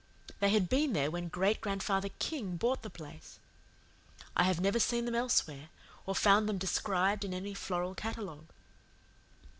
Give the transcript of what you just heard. They had been there when Great grandfather King bought the place. I have never seen them elsewhere, or found them described in any floral catalogue.